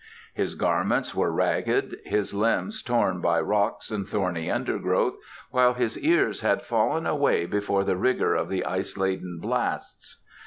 His garments were ragged, his limbs torn by rocks and thorny undergrowth, while his ears had fallen away before the rigour of the ice laden blasts.